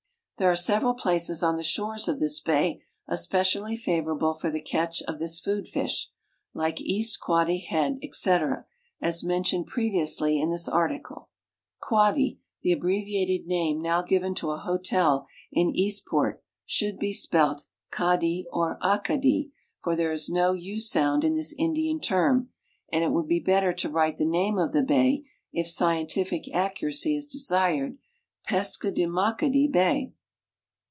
There are several places on the shores of this bay especially favorable for the catch of this food fish, like East Quoddy head, etc, as mentioned previously in this article. Quoddy, tlie abbreviated name now given to a hotel in Eastport, should be spelt : Kadi or Akadi, for there is no w sound in this Indian term, and it would be better to write the name of the bay, if scientilic accuracy is desired, " Peskedemakadi bay."